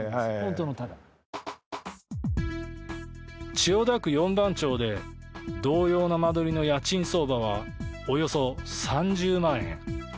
千代田区四番町で同様の間取りの家賃相場はおよそ３０万円。